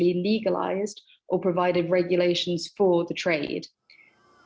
memperoleh atau memberikan regulasi untuk perjalanan